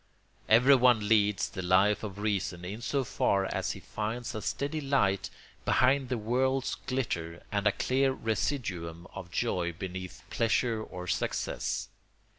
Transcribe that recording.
Everyone leads the Life of Reason in so far as he finds a steady light behind the world's glitter and a clear residuum of joy beneath pleasure or success.